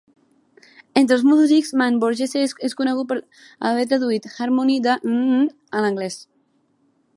Entre els músics, Mann Borgese és conegut per haver traduït "Harmony", de Heinrich Schenker, a l'anglès.